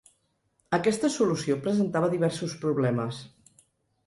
Aquesta solució presentava diversos problemes.